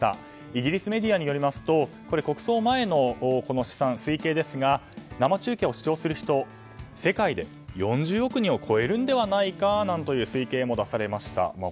イギリスメディアによりますと国葬前の推計ですが生中継を視聴する人は世界で４０億人を超えるんではないかという推計も出されました。